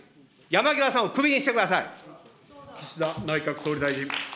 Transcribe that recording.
山際さんをクビにしてください。